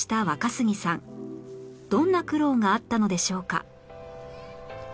どんな苦労があったのでしょうか？